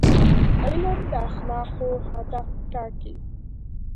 علم د اخلاقو هدف ټاکي.